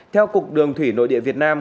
theo cục đường thủy nội địa việt nam